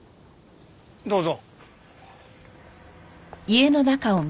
どうぞ。